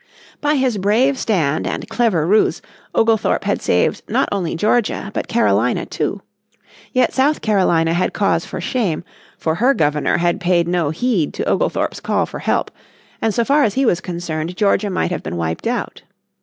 By his brave stand and clever ruse Oglethorpe had saved not only Georgia but Carolina too. Yet South Carolina had cause for shame, for her Governor had paid no heed to Oglethorpe's call for help, and so far as he was concerned Georgia might have been wiped out.